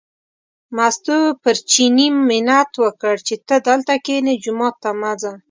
مستو پر چیني منت وکړ چې ته دلته کینې، جومات ته مه ځه.